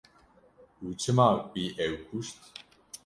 Û çima wî ew kuşt?